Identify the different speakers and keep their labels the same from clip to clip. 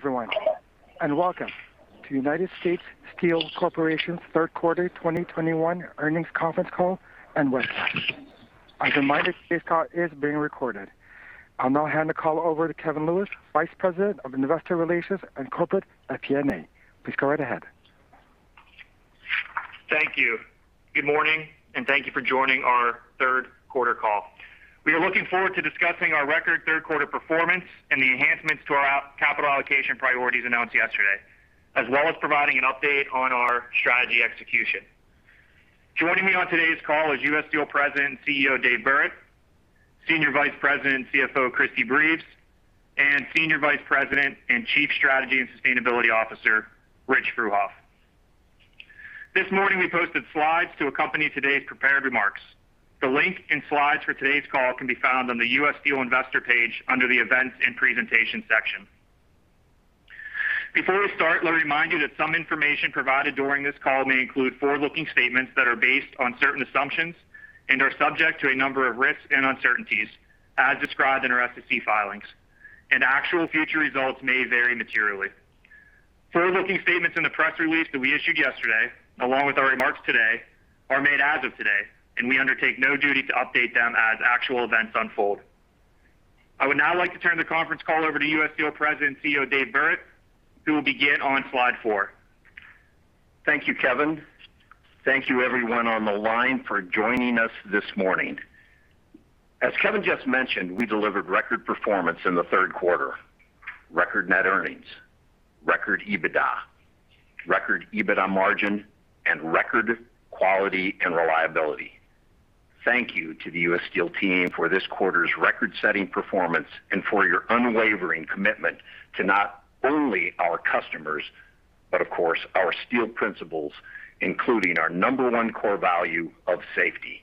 Speaker 1: Good evening everyone, and welcome to United States Steel Corporation's third quarter 2021 earnings conference call and webcast. As a reminder, this call is being recorded. I'll now hand the call over to Kevin Lewis, Vice President of Investor Relations and Corporate FP&A. Please go right ahead.
Speaker 2: Thank you. Good morning, and thank you for joining our third quarter call. We are looking forward to discussing our record third quarter performance and the enhancements to our capital allocation priorities announced yesterday, as well as providing an update on our strategy execution. Joining me on today's call is U.S. Steel President and CEO, Dave Burritt, Senior Vice President and CFO, Christy Breves, and Senior Vice President and Chief Strategy and Sustainability Officer, Rich Fruehauf. This morning, we posted slides to accompany today's prepared remarks. The link and slides for today's call can be found on the U.S. Steel investor page under the Events and Presentation section. Before we start, let me remind you that some information provided during this call may include forward-looking statements that are based on certain assumptions and are subject to a number of risks and uncertainties as described in our SEC filings, and actual future results may vary materially. Forward-looking statements in the press release that we issued yesterday, along with our remarks today, are made as of today, and we undertake no duty to update them as actual events unfold. I would now like to turn the conference call over to U.S. Steel President and CEO, Dave Burritt, who will begin on slide four.
Speaker 3: Thank you, Kevin. Thank you everyone on the line for joining us this morning. As Kevin just mentioned, we delivered record performance in the third quarter. Record net earnings, record EBITDA, record EBITDA margin, and record quality and reliability. Thank you to the U.S. Steel team for this quarter's record-setting performance and for your unwavering commitment to not only our customers, but of course, our steel principles, including our number one core value of safety.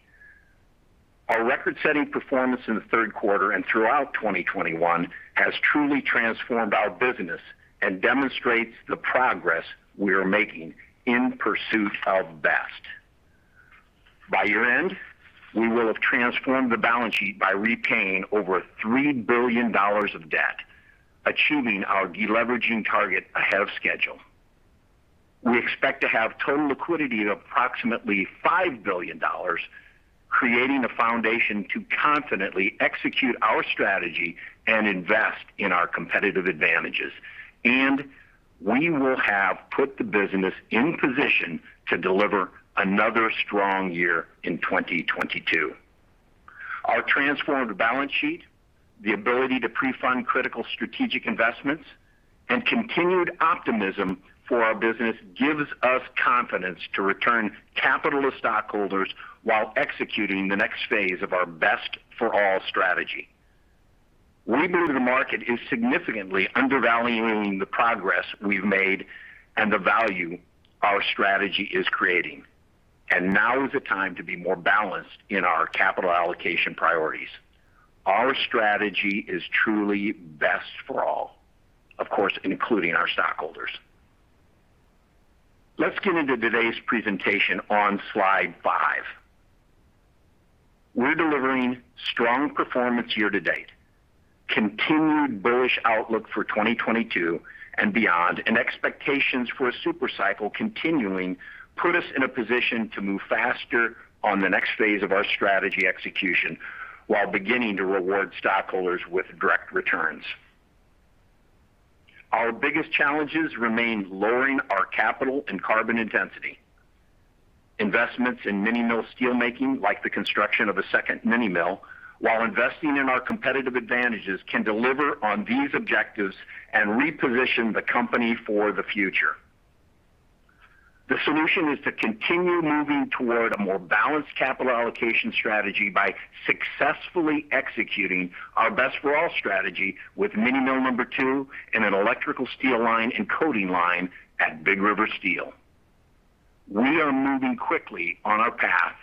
Speaker 3: Our record-setting performance in the third quarter and throughout 2021 has truly transformed our business and demonstrates the progress we are making in pursuit of Best. By year-end, we will have transformed the balance sheet by repaying over $3 billion of debt, achieving our deleveraging target ahead of schedule. We expect to have total liquidity of approximately $5 billion, creating a foundation to confidently execute our strategy and invest in our competitive advantages. We will have put the business in position to deliver another strong year in 2022. Our transformed balance sheet, the ability to pre-fund critical strategic investments, and continued optimism for our business gives us confidence to return capital to stockholders while executing the next phase of our Best for All strategy. We believe the market is significantly undervaluing the progress we've made and the value our strategy is creating. Now is the time to be more balanced in our capital allocation priorities. Our strategy is truly Best for All. Of course, including our stockholders. Let's get into today's presentation on slide five. We're delivering strong performance year to date, continued bullish outlook for 2022 and beyond, and expectations for a super cycle continuing put us in a position to move faster on the next phase of our strategy execution while beginning to reward stockholders with direct returns. Our biggest challenges remain lowering our capital and carbon intensity. Investments in mini mill steel making, like the construction of a second mini mill, while investing in our competitive advantages, can deliver on these objectives and reposition the company for the future. The solution is to continue moving toward a more balanced capital allocation strategy by successfully executing our Best for All strategy with Mini Mill Number Two and an electrical steel line and coating line at Big River Steel. We are moving quickly on our path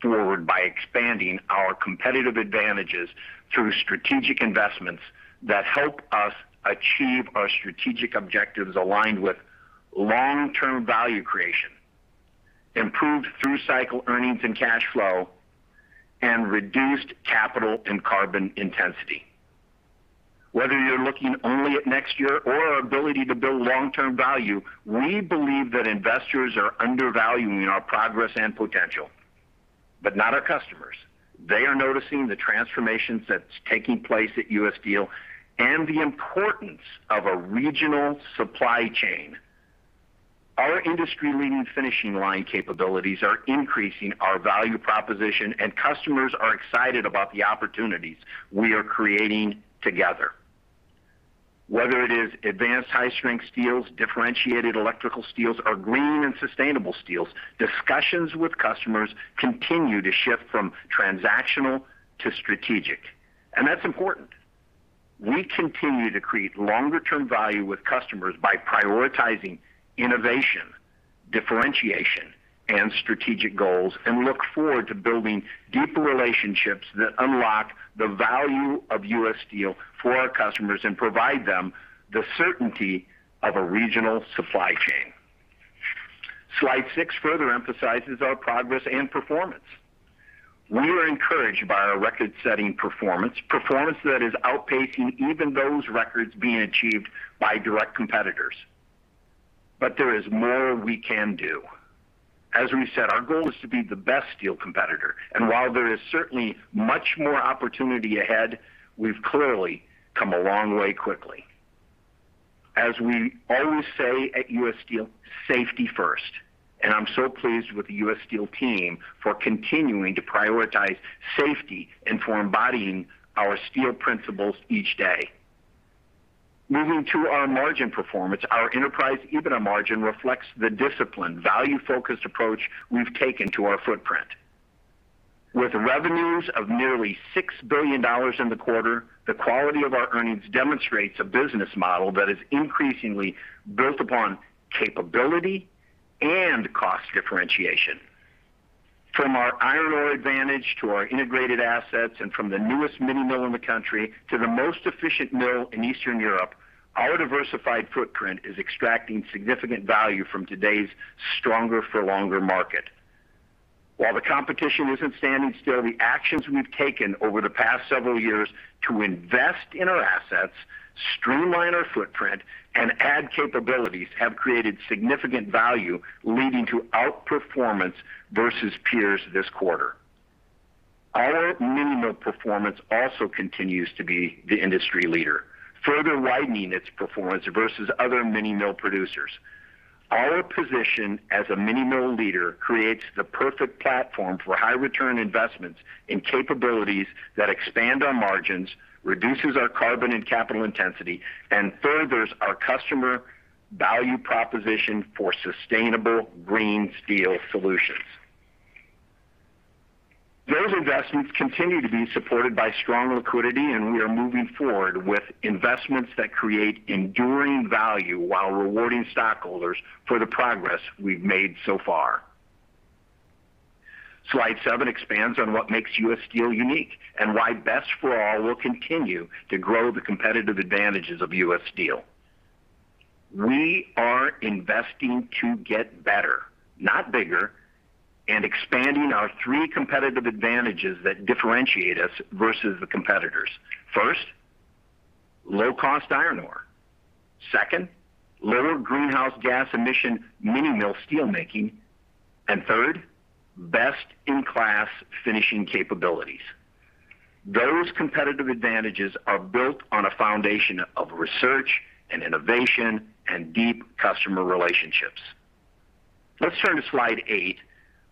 Speaker 3: forward by expanding our competitive advantages through strategic investments that help us achieve our strategic objectives aligned with long-term value creation, improved through cycle earnings and cash flow, and reduced capital and carbon intensity. Whether you're looking only at next year or our ability to build long-term value, we believe that investors are undervaluing our progress and potential, but not our customers. They are noticing the transformations that's taking place at U.S. Steel and the importance of a regional supply chain. Our industry-leading finishing line capabilities are increasing our value proposition, and customers are excited about the opportunities we are creating together. Whether it is advanced high-strength steels, differentiated electrical steels, or green and sustainable steels, discussions with customers continue to shift from transactional to strategic, and that's important. We continue to create longer-term value with customers by prioritizing innovation, differentiation, and strategic goals, and look forward to building deeper relationships that unlock the value of U.S. Steel for our customers and provide them the certainty of a regional supply chain. Slide six further emphasizes our progress and performance. We are encouraged by our record-setting performance that is outpacing even those records being achieved by direct competitors. There is more we can do. As we said, our goal is to be the best steel competitor, and while there is certainly much more opportunity ahead, we've clearly come a long way quickly. As we always say at U.S. Steel, safety first. I'm so pleased with the U.S. Steel team for continuing to prioritize safety and for embodying our steel principles each day. Moving to our margin performance. Our enterprise EBITDA margin reflects the disciplined, value-focused approach we've taken to our footprint. With revenues of nearly $6 billion in the quarter, the quality of our earnings demonstrates a business model that is increasingly built upon capability and cost differentiation. From our iron ore advantage to our integrated assets, and from the newest mini mill in the country to the most efficient mill in Eastern Europe, our diversified footprint is extracting significant value from today's stronger-for-longer market. While the competition isn't standing still, the actions we've taken over the past several years to invest in our assets, streamline our footprint, and add capabilities have created significant value, leading to outperformance versus peers this quarter. Our mini mill performance also continues to be the industry leader, further widening its performance versus other mini mill producers. Our position as a mini mill leader creates the perfect platform for high-return investments in capabilities that expand our margins, reduces our carbon and capital intensity, and furthers our customer value proposition for sustainable green steel solutions. Those investments continue to be supported by strong liquidity, and we are moving forward with investments that create enduring value while rewarding stockholders for the progress we've made so far. Slide seven expands on what makes U.S. Steel unique and why Best for All will continue to grow the competitive advantages of U.S. Steel. We are investing to get better, not bigger, and expanding our three competitive advantages that differentiate us versus the competitors. First, low-cost iron ore. Second, lower greenhouse gas emission mini mill steel making. Third, best-in-class finishing capabilities. Those competitive advantages are built on a foundation of research and innovation and deep customer relationships. Let's turn to slide eight,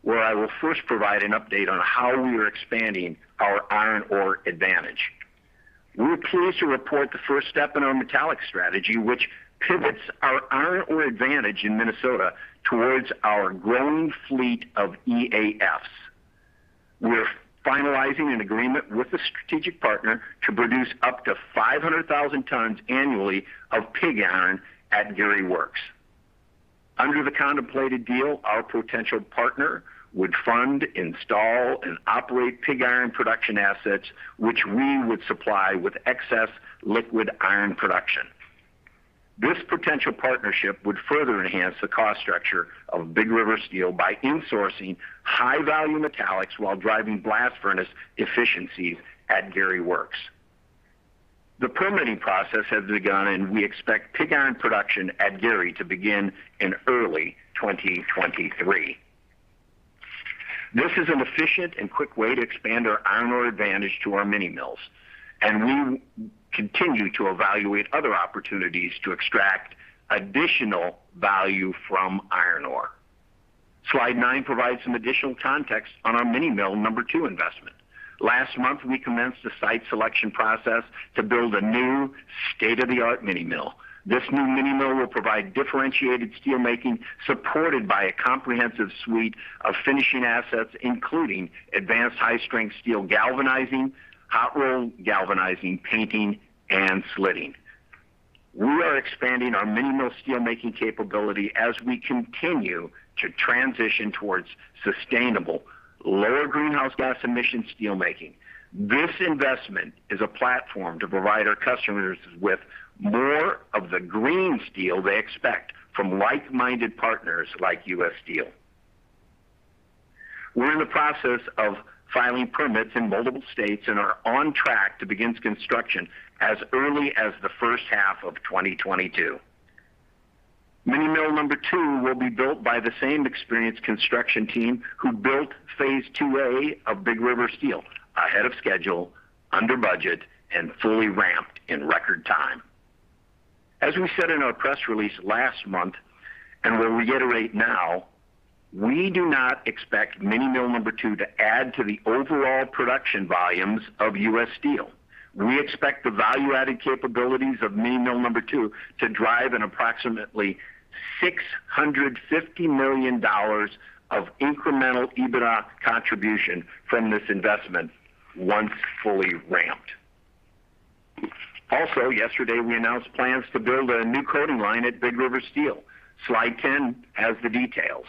Speaker 3: where I will first provide an update on how we are expanding our iron ore advantage. We are pleased to report the first step in our metallic strategy, which pivots our iron ore advantage in Minnesota towards our growing fleet of EAFs. We're finalizing an agreement with a strategic partner to produce up to 500,000 tons annually of pig iron at Gary Works. Under the contemplated deal, our potential partner would fund, install, and operate pig iron production assets, which we would supply with excess liquid iron production. This potential partnership would further enhance the cost structure of Big River Steel by insourcing high-value metallics while driving blast furnace efficiencies at Gary Works. The permitting process has begun, and we expect pig iron production at Gary to begin in early 2023. This is an efficient and quick way to expand our iron ore advantage to our mini mills, and we continue to evaluate other opportunities to extract additional value from iron ore. Slide nine provides some additional context on our Mini Mill Number Two investment. Last month, we commenced the site selection process to build a new state-of-the-art mini mill. This new mini mill will provide differentiated steel making supported by a comprehensive suite of finishing assets, including advanced high-strength steel galvanizing, hot roll galvanizing, painting, and slitting. We are expanding our mini mill steel making capability as we continue to transition towards sustainable lower greenhouse gas emission steel making. This investment is a platform to provide our customers with more of the green steel they expect from like-minded partners like U.S. Steel. We're in the process of filing permits in multiple states and are on track to begin construction as early as the first half of 2022. Mini Mill Number Two will be built by the same experienced construction team who built phase II-A of Big River Steel ahead of schedule, under budget, and fully ramped in record time. As we said in our press release last month and will reiterate now, we do not expect Mini Mill Number Two to add to the overall production volumes of U.S. Steel. We expect the value-added capabilities of Mini Mill Number Two to drive an approximately $650 million of incremental EBITDA contribution from this investment once fully ramped. Also, yesterday, we announced plans to build a new coating line at Big River Steel. Slide 10 has the details.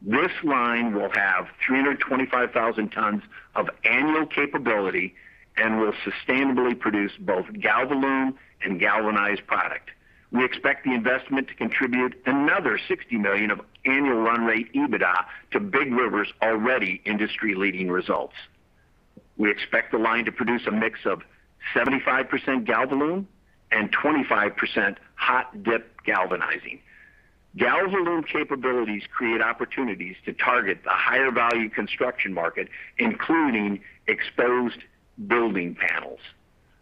Speaker 3: This line will have 325,000 tons of annual capability and will sustainably produce both Galvalume and galvanized product. We expect the investment to contribute another $60 million of annual run rate EBITDA to Big River's already industry-leading results. We expect the line to produce a mix of 75% Galvalume and 25% hot-dip galvanizing. Galvalume capabilities create opportunities to target the higher value construction market, including exposed building panels.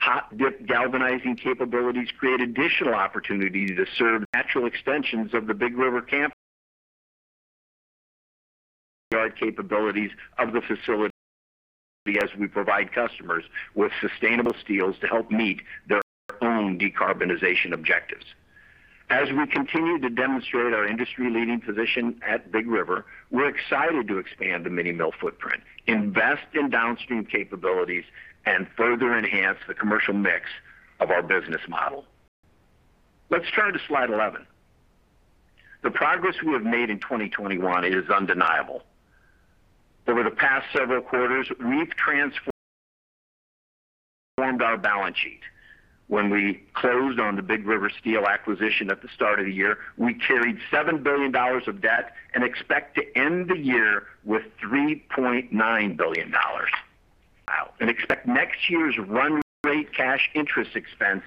Speaker 3: Hot-dip galvanizing capabilities create additional opportunity to serve natural extensions of the Big River campus capabilities of the facility as we provide customers with sustainable steels to help meet their own decarbonization objectives. As we continue to demonstrate our industry-leading position at Big River, we're excited to expand the mini mill footprint, invest in downstream capabilities, and further enhance the commercial mix of our business model. Let's turn to slide 11. The progress we have made in 2021 is undeniable. Over the past several quarters, we've transformed our balance sheet. When we closed on the Big River Steel acquisition at the start of the year, we carried $7 billion of debt and expect to end the year with $3.9 billion. We expect next year's run rate cash interest expense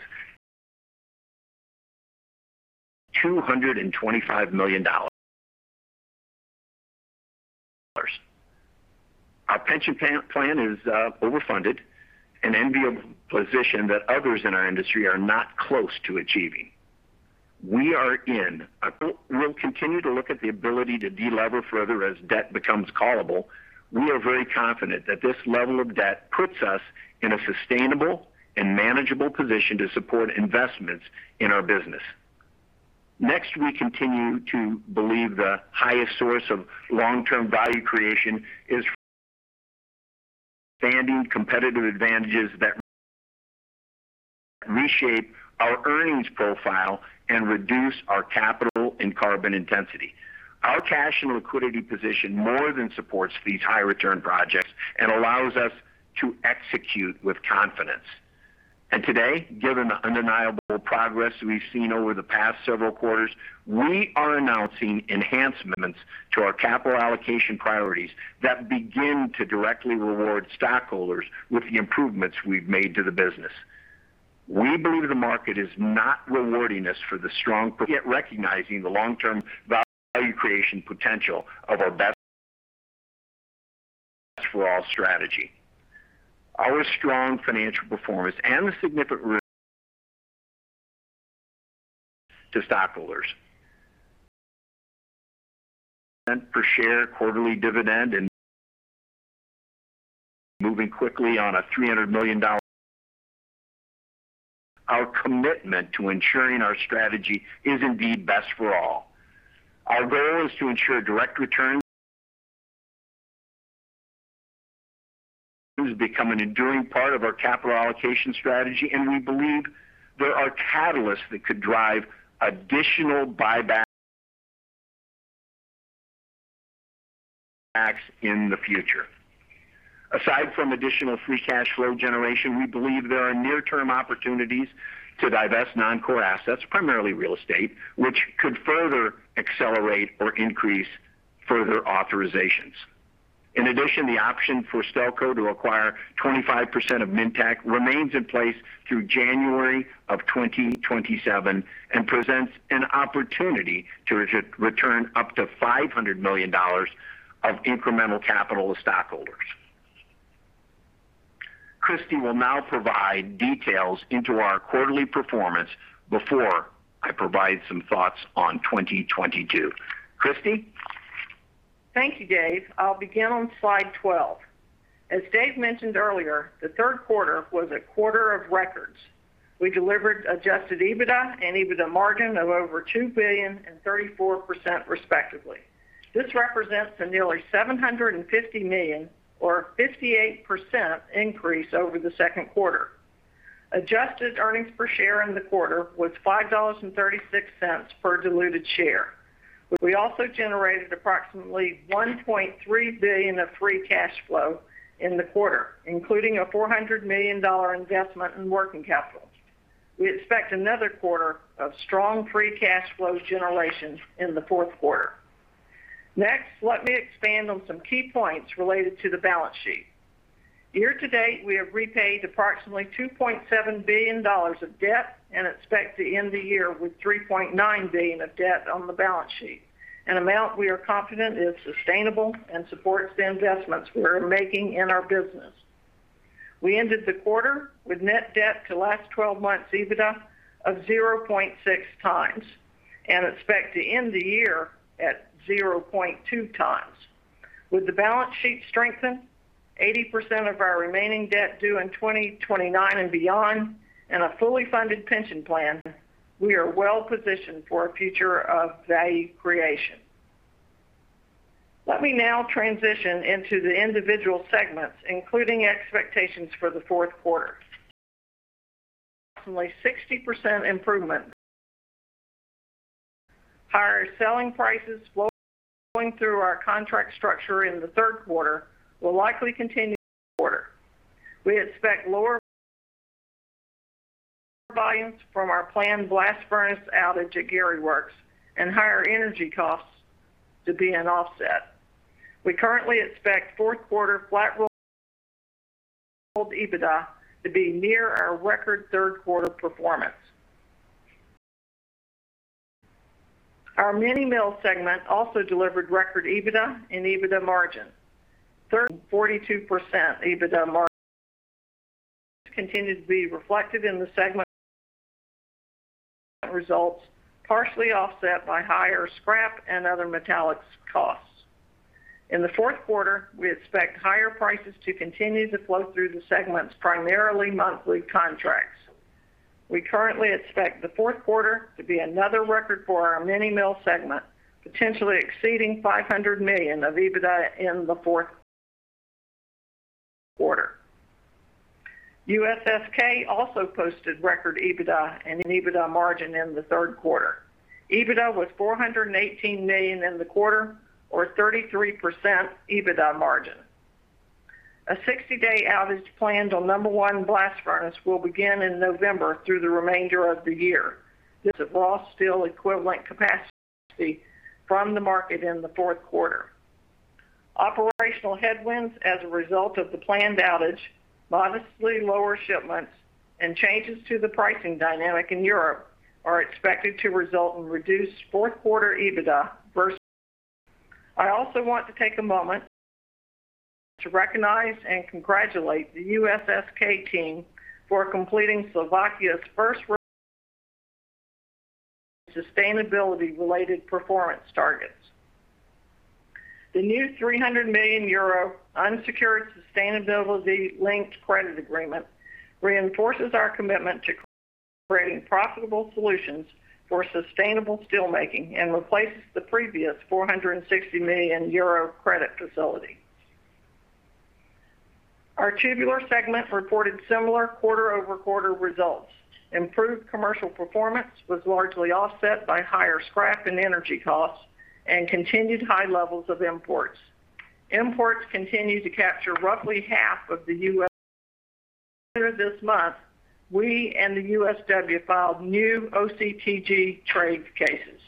Speaker 3: $225 million. Our pension plan is overfunded, an enviable position that others in our industry are not close to achieving. We'll continue to look at the ability to delever further as debt becomes callable. We are very confident that this level of debt puts us in a sustainable and manageable position to support investments in our business. Next, we continue to believe the highest source of long-term value creation is expanding competitive advantages that reshape our earnings profile and reduce our capital and carbon intensity. Our cash and liquidity position more than supports these high return projects and allows us to execute with confidence. Today, given the undeniable progress we've seen over the past several quarters, we are announcing enhancements to our capital allocation priorities that begin to directly reward stockholders with the improvements we've made to the business. We believe the market is not rewarding us for the strong, yet recognizing the long-term value creation potential of our Best for All strategy. Our strong financial performance and the significant return to stockholders. Per share quarterly dividend and moving quickly on a $300 million. Our commitment to ensuring our strategy is indeed Best for All. Our goal is to ensure direct returns become an enduring part of our capital allocation strategy, and we believe there are catalysts that could drive additional buybacks in the future. Aside from additional free cash flow generation, we believe there are near-term opportunities to divest non-core assets, primarily real estate, which could further accelerate or increase further authorizations. In addition, the option for Stelco to acquire 25% of Minntac remains in place through January of 2027 and presents an opportunity to return up to $500 million of incremental capital to stockholders. Christy will now provide details into our quarterly performance before I provide some thoughts on 2022. Christy.
Speaker 4: Thank you, Dave. I'll begin on slide 12. As Dave mentioned earlier, the third quarter was a quarter of records. We delivered adjusted EBITDA and EBITDA margin of over $2 billion and 34% respectively. This represents a nearly $750 million or 58% increase over the second quarter. Adjusted earnings per share in the quarter was $5.36 per diluted share. We also generated approximately $1.3 billion of free cash flow in the quarter, including a $400 million investment in working capital. We expect another quarter of strong free cash flow generation in the fourth quarter. Next, let me expand on some key points related to the balance sheet. Year to date, we have repaid approximately $2.7 billion of debt and expect to end the year with $3.9 billion of debt on the balance sheet, an amount we are confident is sustainable and supports the investments we are making in our business. We ended the quarter with net debt to last 12 months EBITDA of 0.6x and expect to end the year at 0.2x. With the balance sheet strengthened, 80% of our remaining debt due in 2029 and beyond, and a fully funded pension plan, we are well-positioned for a future of value creation. Let me now transition into the individual segments, including expectations for the fourth quarter. Approximately 60% improvement. Higher selling prices flowing through our contract structure in the third quarter will likely continue in the fourth quarter. We expect lower volumes from our planned blast furnace outage at Gary Works and higher energy costs to be an offset. We currently expect fourth quarter flat-rolled EBITDA to be near our record third quarter performance. Our Mini Mill segment also delivered record EBITDA and EBITDA margin. 34% and 42% EBITDA margin continued to be reflected in the segment results, partially offset by higher scrap and other metallics costs. In the fourth quarter, we expect higher prices to continue to flow through the segment's primarily monthly contracts. We currently expect the fourth quarter to be another record for our Mini Mill segment, potentially exceeding $500 million of EBITDA in the fourth quarter. USSK also posted record EBITDA and an EBITDA margin in the third quarter. EBITDA was $418 million in the quarter or 33% EBITDA margin. A 60-day outage planned on number one blast furnace will begin in November through the remainder of the year. This removes raw steel equivalent capacity from the market in the fourth quarter. Operational headwinds as a result of the planned outage, modestly lower shipments, and changes to the pricing dynamic in Europe are expected to result in reduced fourth quarter EBITDA versus. I also want to take a moment to recognize and congratulate the USSK team for completing Slovakia's first sustainability-related performance targets. The new 300 million euro unsecured sustainability-linked credit agreement reinforces our commitment to creating profitable solutions for sustainable steel making and replaces the previous 460 million euro credit facility. Our tubular segment reported similar quarter-over-quarter results. Improved commercial performance was largely offset by higher scrap and energy costs and continued high levels of imports. Imports continue to capture roughly half of the U.S. Later this month, we and the USW filed new OCTG trade cases.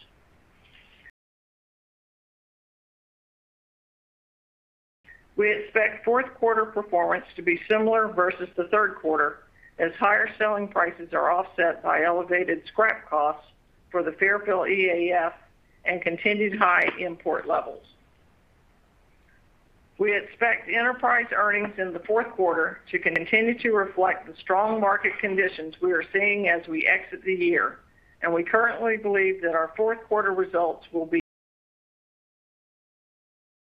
Speaker 4: We expect fourth quarter performance to be similar versus the third quarter as higher selling prices are offset by elevated scrap costs for the Fairfield EAF and continued high import levels. We expect enterprise earnings in the fourth quarter to continue to reflect the strong market conditions we are seeing as we exit the year. We currently believe that our fourth quarter results will be-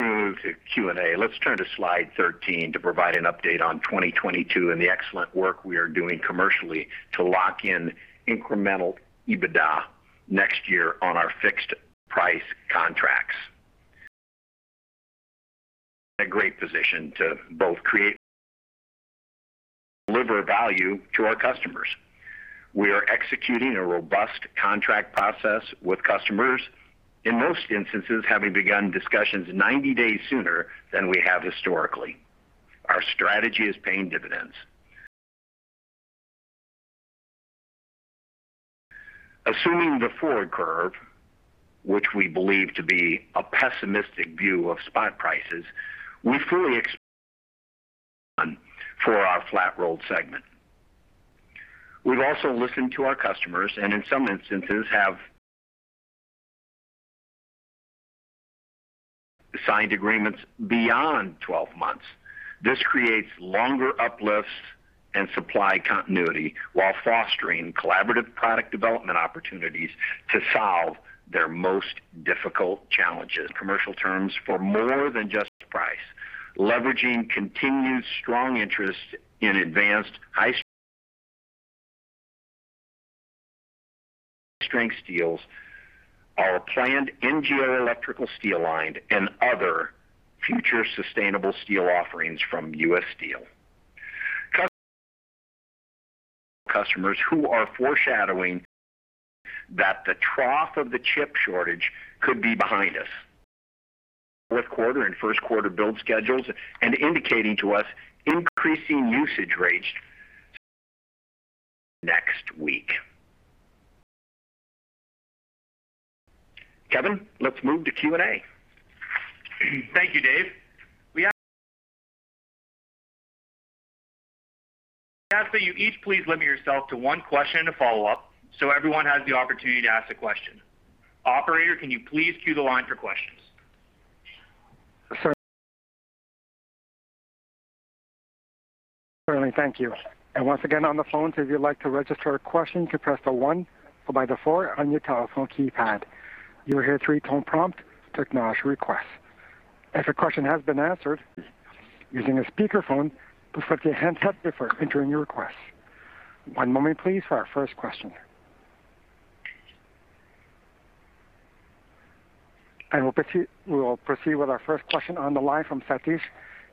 Speaker 3: Move to Q&A. Let's turn to slide 13 to provide an update on 2022 and the excellent work we are doing commercially to lock in incremental EBITDA next year on our fixed-price contracts, a great position to both create and deliver value to our customers. We are executing a robust contract process with customers, in most instances having begun discussions 90 days sooner than we have historically. Our strategy is paying dividends. Assuming the forward curve, which we believe to be a pessimistic view of spot prices, we're fully fixed for our flat-rolled segment. We've also listened to our customers and in some instances have signed agreements beyond 12 months. This creates longer uplifts and supply continuity while fostering collaborative product development opportunities to solve their most difficult challenges. Commercial terms for more than just price. Leveraging continued strong interest in advanced high-strength steels, our planned NGO electrical steel line, and other future sustainable steel offerings from U.S. Steel. Customers who are foreshadowing that the trough of the chip shortage could be behind us. Fourth quarter and first quarter build schedules are indicating to us increasing usage rates next week. Kevin, let's move to Q&A.
Speaker 2: Thank you, Dave. We ask that you each please limit yourself to one question to follow up so everyone has the opportunity to ask a question. Operator, can you please queue the line for questions?
Speaker 1: Certainly. Thank you. Once again, on the phone, if you'd like to register a question, you can press the one followed by the four on your telephone keypad. You will hear three-tone prompt to acknowledge your request. If you're using a speakerphone, please pick up your handset before entering your request. One moment, please, for our first question. We will proceed with our first question on the line from Sathish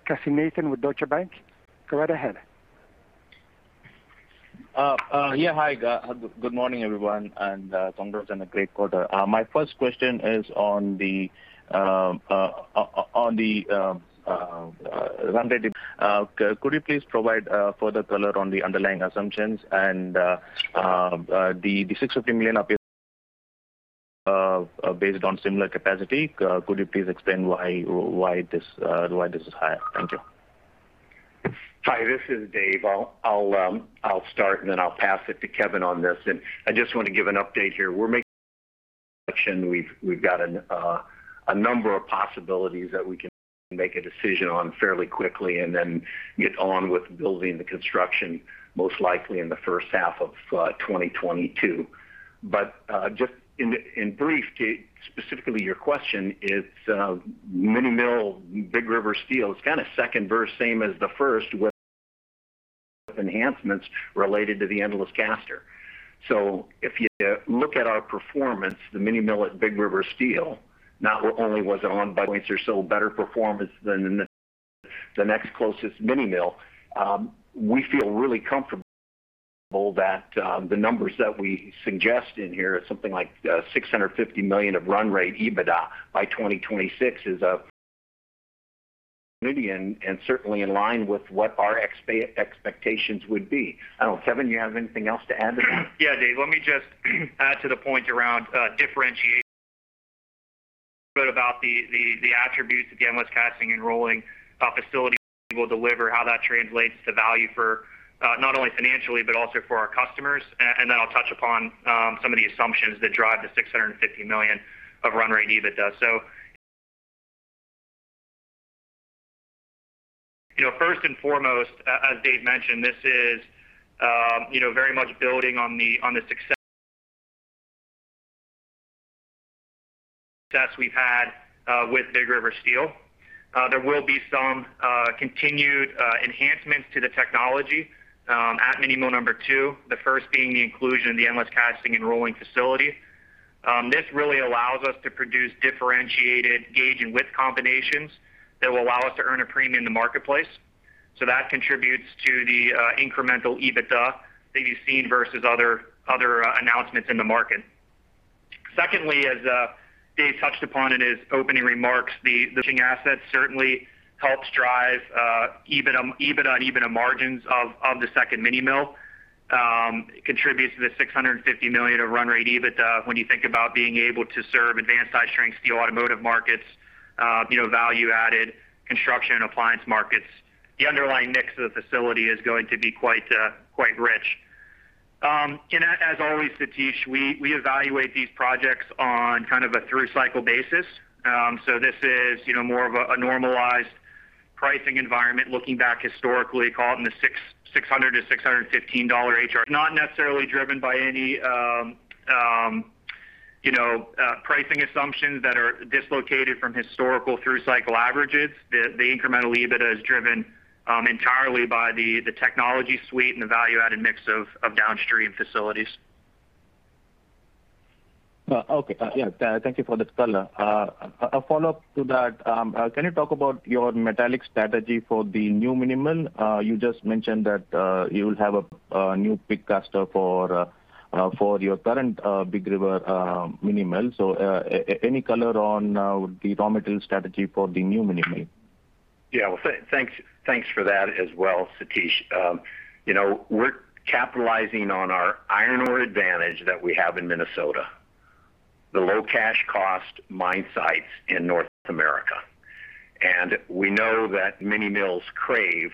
Speaker 1: Kasinathan with Deutsche Bank. Go right ahead.
Speaker 5: Yeah, hi, good morning, everyone, and congrats on a great quarter. My first question is on the run rate. Could you please provide further color on the underlying assumptions and the $650 million based on similar capacity? Could you please explain why this is high? Thank you.
Speaker 3: Hi, this is Dave. I'll start, and then I'll pass it to Kevin on this. I just want to give an update here. We've got a number of possibilities that we can make a decision on fairly quickly and then get on with building the construction most likely in the first half of 2022. Just in brief to specifically your question, it's mini mill Big River Steel. It's kind of second verse, same as the first with enhancements related to the endless caster. If you look at our performance, the mini mill at Big River Steel, not only was it on by 10 points or so better performance than the next closest mini mill, we feel really comfortable that the numbers that we suggest in here is something like $650 million of run rate EBITDA by 2026 and certainly in line with what our expectations would be. I don't know. Kevin, you have anything else to add to that?
Speaker 2: Yeah, Dave. Let me just add to the point around differentiation about the attributes, again, what the casting and rolling facility will deliver, how that translates to value for not only financially, but also for our customers. Then I'll touch upon some of the assumptions that drive the $650 million of run rate EBITDA. You know, first and foremost, as Dave mentioned, this is you know, very much building on the success we've had with Big River Steel. There will be some continued enhancements to the technology at Mini Mill Number Two, the first being the inclusion of the endless casting and rolling facility. This really allows us to produce differentiated gauge and width combinations that will allow us to earn a premium in the marketplace. That contributes to the incremental EBITDA that you've seen versus other announcements in the market. Secondly, as Dave touched upon in his opening remarks, the asset certainly helps drive EBIT, EBITDA and EBIT margins of the second mini mill, contributes to the $650 million of run rate EBITDA when you think about being able to serve advanced high-strength steel automotive markets, you know, value-added construction and appliance markets. The underlying mix of the facility is going to be quite rich. As always, Sathish, we evaluate these projects on kind of a through-cycle basis. This is, you know, more of a normalized pricing environment looking back historically, call it in the $600-$615 HR. Not necessarily driven by any, you know, pricing assumptions that are dislocated from historical through-cycle averages. The incremental EBITDA is driven entirely by the technology suite and the value-added mix of downstream facilities.
Speaker 5: Okay. Yeah. Thank you for this color. A follow-up to that. Can you talk about your metallic strategy for the new mini mill? You just mentioned that you'll have a new pig caster for your current Big River mini mill. Any color on the raw material strategy for the new mini mill?
Speaker 3: Yeah. Well, thanks for that as well, Sathish. You know, we're capitalizing on our iron ore advantage that we have in Minnesota, the low cash cost mine sites in North America. We know that mini mills crave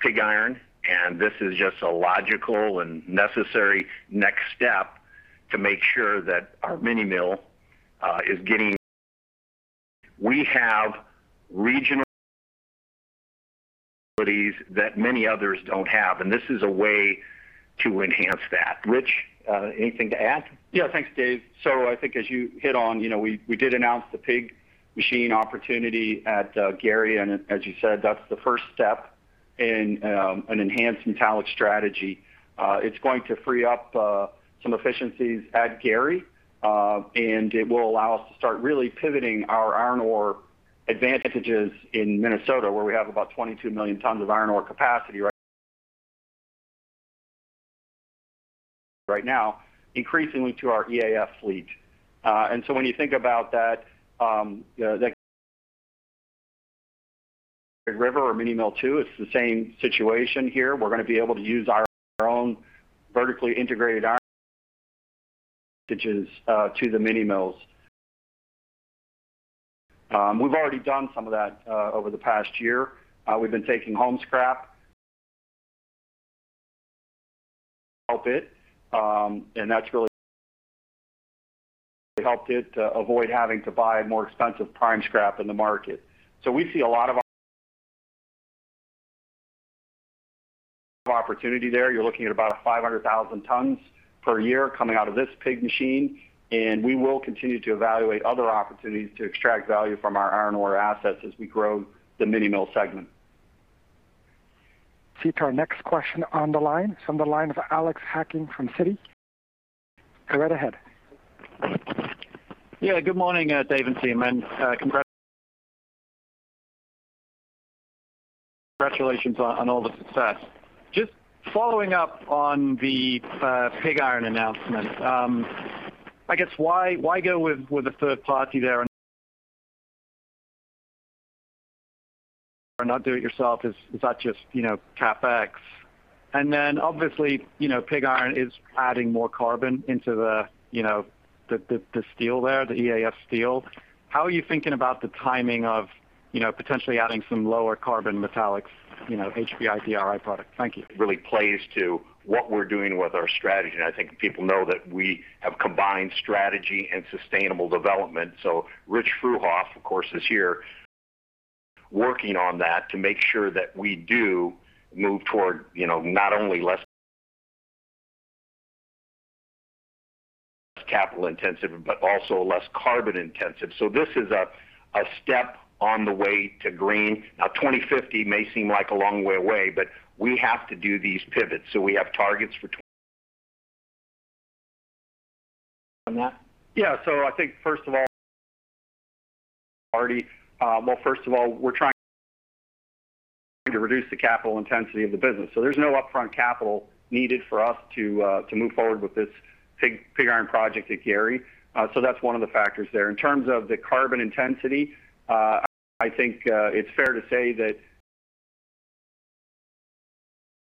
Speaker 3: pig iron, and this is just a logical and necessary next step to make sure that our mini mill is getting what we have regionally that many others don't have, and this is a way to enhance that. Rich, anything to add?
Speaker 6: Yeah. Thanks, Dave. I think as you hit on, you know, we did announce the pig iron opportunity at Gary. As you said, that's the first step in an enhanced metallic strategy. It's going to free up some efficiencies at Gary, and it will allow us to start really pivoting our iron ore advantages in Minnesota, where we have about 22 million tons of iron ore capacity right now, increasingly to our EAF fleet. When you think about that, the Big River Mini Mill Number Two, it's the same situation here. We're gonna be able to use our own vertically integrated iron ore to the mini mills. We've already done some of that over the past year. We've been taking home scrap to help it. That's really helped it to avoid having to buy more expensive prime scrap in the market. We see a lot of opportunity there. You're looking at about 500,000 tons per year coming out of this pig machine, and we will continue to evaluate other opportunities to extract value from our iron ore assets as we grow the mini mill segment.
Speaker 1: Let's see to our next question on the line, from the line of Alex Hacking from Citi. Go right ahead.
Speaker 7: Yeah. Good morning, Dave and team, and congratulations on all the success. Just following up on the pig iron announcement. I guess, why go with a third party there and not do it yourself? Is that just, you know, CapEx? And then obviously, you know, pig iron is adding more carbon into the, you know, the steel there, the EAF steel. How are you thinking about the timing of, you know, potentially adding some lower carbon metallics, you know, HBI, DRI product? Thank you.
Speaker 3: Really plays to what we're doing with our strategy. I think people know that we have combined strategy and sustainable development. Rich Fruehauf, of course, is here working on that to make sure that we do move toward, you know, not only less capital intensive, but also less carbon intensive. This is a step on the way to green. Now, 2050 may seem like a long way away, but we have to do these pivots. We have targets for two-
Speaker 6: On that? Yeah. I think first of all already. Well, first of all, we're trying to reduce the capital intensity of the business. There's no upfront capital needed for us to move forward with this pig iron project at Gary. That's one of the factors there. In terms of the carbon intensity, I think it's fair to say that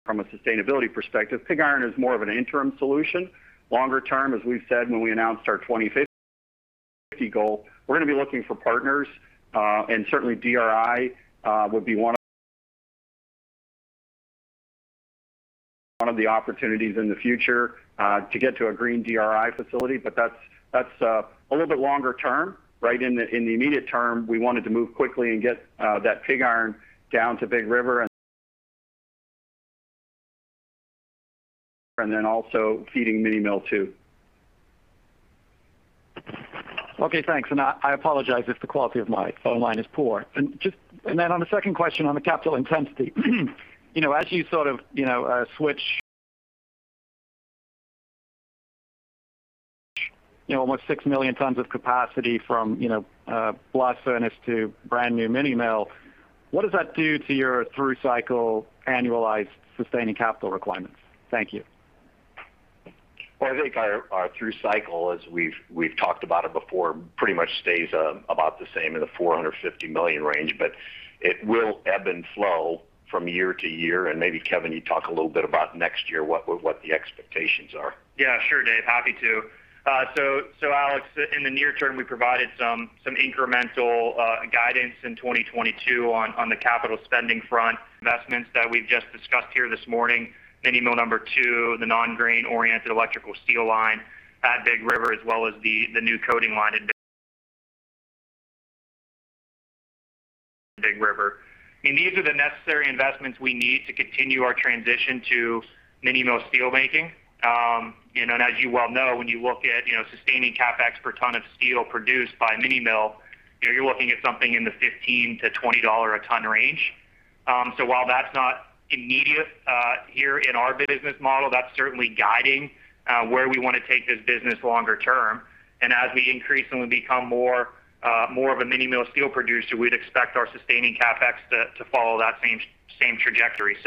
Speaker 6: from a sustainability perspective, pig iron is more of an interim solution. Longer term, as we've said when we announced our 2050 goal, we're gonna be looking for partners. Certainly DRI would be one of the opportunities in the future to get to a green DRI facility. That's a little bit longer term, right? In the immediate term, we wanted to move quickly and get that pig iron down to Big River and then also Mini Mill Number Two.
Speaker 7: okay, thanks. I apologize if the quality of my phone line is poor. On the second question on the capital intensity. You know, as you sort of, you know, switch, you know, almost 6 million tons of capacity from, you know, blast furnace to brand new mini mill, what does that do to your through cycle annualized sustaining capital requirements? Thank you.
Speaker 3: Well, I think our through cycle, as we've talked about it before, pretty much stays about the same in the $450 million range, but it will ebb and flow from year to year. Maybe, Kevin, you talk a little bit about next year, what the expectations are.
Speaker 2: Yeah, sure, Dave. Happy to. Alex, in the near term, we provided some incremental guidance in 2022 on the capital spending front. Investments that we've just discussed here this morning, Mini Mill Number Two, the non-grain-oriented electrical steel line at Big River as well as the new coating line in Big River. I mean, these are the necessary investments we need to continue our transition to mini mill steelmaking. You know, and as you well know, when you look at sustaining CapEx per ton of steel produced by mini mill, you know, you're looking at something in the $15-$20 a ton range. While that's not immediate here in our business model, that's certainly guiding where we wanna take this business longer term. As we increase and we become more of a mini mill steel producer, we'd expect our sustaining CapEx to follow that same trajectory.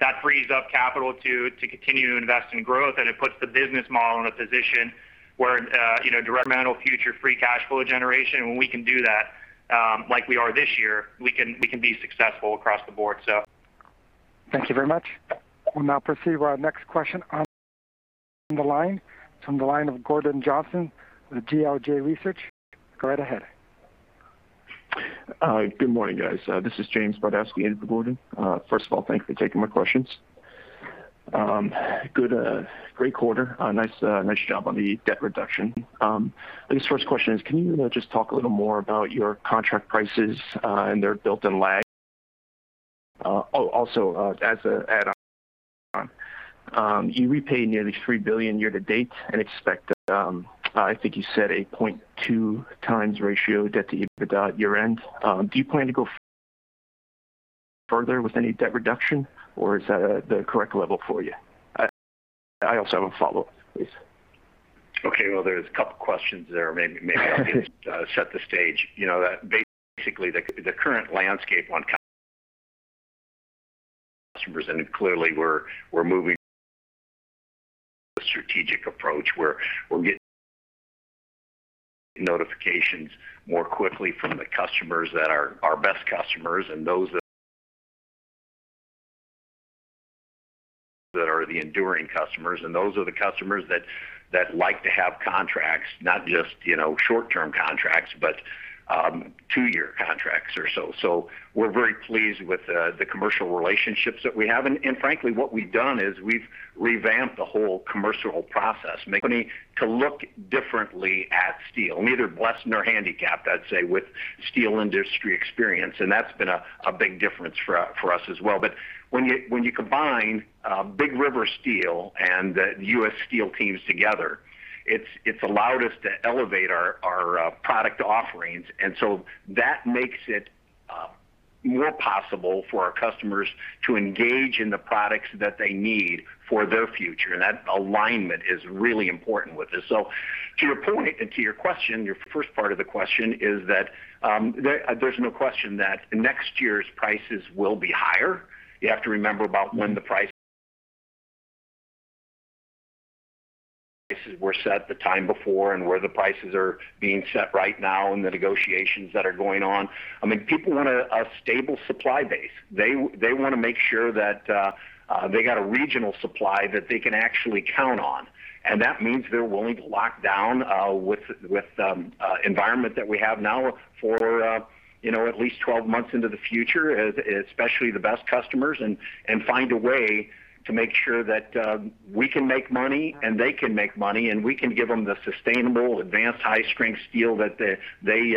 Speaker 2: That frees up capital to continue to invest in growth, and it puts the business model in a position where, you know, incremental future free cash flow generation. When we can do that, like we are this year, we can be successful across the board.
Speaker 1: Thank you very much. We'll now proceed with our next question on the line. It's from the line of Gordon Johnson with GLJ Research. Go right ahead.
Speaker 8: Good morning, guys. This is James Bardowski in for Gordon. First of all, thank you for taking my questions. Good, great quarter. Nice job on the debt reduction. I guess first question is, can you know, just talk a little more about your contract prices and their built-in lag? Also, as an add-on, you repaid nearly $3 billion year-to-date and expect, I think you said a 0.2x debt to EBITDA ratio year-end. Do you plan to go further with any debt reduction, or is that the correct level for you? I also have a follow-up, please.
Speaker 3: Okay. Well, there's a couple questions there. I'll just set the stage. You know, that's basically the current landscape on customers, and clearly we're moving a strategic approach where we're getting notifications more quickly from the customers that are our best customers and those that are the enduring customers, and those are the customers that like to have contracts, not just, you know, short-term contracts, but two-year contracts or so. So we're very pleased with the commercial relationships that we have. Frankly, what we've done is we've revamped the whole commercial process, making it look differently at steel, neither blessed nor handicapped, I'd say, with steel industry experience, and that's been a big difference for us as well. When you combine Big River Steel and the U.S. Steel teams together, it's allowed us to elevate our product offerings, and so that makes it more possible for our customers to engage in the products that they need for their future. That alignment is really important with this. To your point and to your question, your first part of the question is that, there's no question that next year's prices will be higher. You have to remember about when the price were set the time before and where the prices are being set right now and the negotiations that are going on. I mean, people want a stable supply base. They want to make sure that they got a regional supply that they can actually count on. That means they're willing to lock down with the environment that we have now for you know at least 12 months into the future, especially the best customers, and find a way to make sure that we can make money and they can make money, and we can give them the sustainable advanced high-strength steel that they